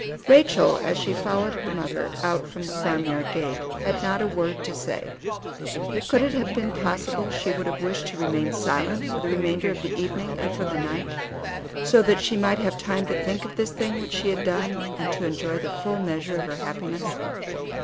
Rachel, as she followed her mother out from the farmyard gate, had not a word to say. Could it have been possible she would have wished to remain silent for the remainder of the evening and for the night, so that she might have time to think of this thing which she had done, and to enjoy the full measure of her happiness.